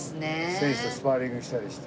選手とスパーリングしたりして。